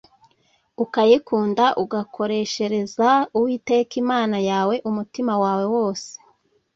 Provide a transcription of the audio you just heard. ukayikunda, ugakoreshereza uwiteka imana yawe umutima wawe wose